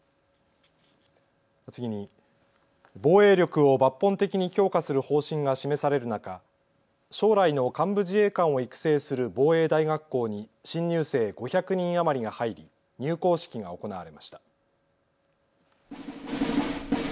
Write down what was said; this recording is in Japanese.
次に、防衛力を抜本的に強化する方針が示される中、将来の幹部自衛官を育成する防衛大学校に新入生５００人余りが入り、入校式が行われました。